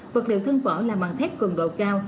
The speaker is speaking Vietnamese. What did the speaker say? vật liệu thân vỏ là bằng thét cường độ cao